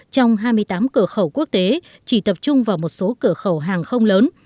trong hai mươi tám cửa khẩu quốc tế chỉ tập trung vào một số cửa khẩu hàng không lớn